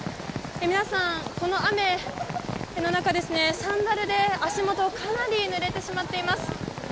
皆さん、この雨の中サンダルで足元かなりぬれてしまっています。